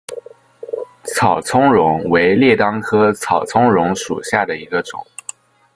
草苁蓉为列当科草苁蓉属下的一个种。